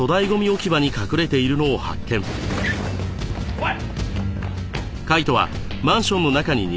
おい！